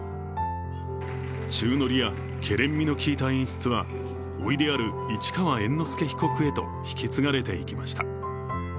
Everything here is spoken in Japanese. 宙乗りやけれんみの効いた演出はおいである市川猿之助被告へと引き継がれていきました。